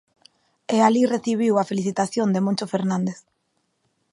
E alí recibiu a felicitación de Moncho Fernández.